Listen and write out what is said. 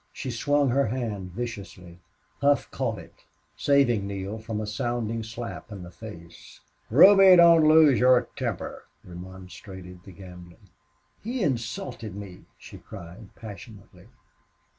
She swung her hand viciously. Hough caught it, saving Neale from a sounding slap in the face. "Ruby, don't lose your temper," remonstrated the gambler. "He insulted me!" she cried, passionately.